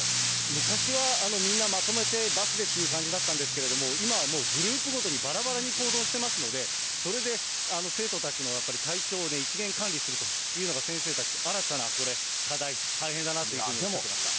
昔はみんなまとめて、バスでっていう感じだったんですけれども、今はもうグループごとにばらばらに行動してますので、それで生徒たちのやっぱり体調で一元管理するというのが、先生たち、新たなこれ、課題、大変だなというふうにおっしゃってました。